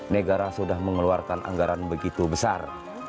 negara sudah mengeluarkan anggaran begitu besar